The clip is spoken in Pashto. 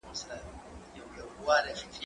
زه به سبا کتاب وليکم؟!